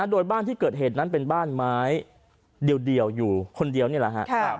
โดยบ้านที่เกิดเหตุนั้นเป็นบ้านไม้เดียวอยู่คนเดียวนี่แหละครับ